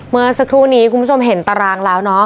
เมื่อสักครู่นี้คุณผู้ชมเห็นตารางแล้วเนาะ